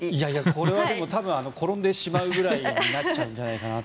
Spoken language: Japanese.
これは転んでしまうぐらいになっちゃうんじゃないかなと。